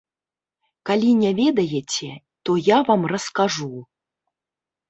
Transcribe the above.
Калі не ведаеце, то я вам раскажу.